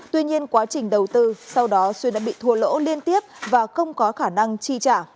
tuy nhiên quá trình đầu tư sau đó xuân đã bị thua lỗ liên tiếp và không có khả năng chi trả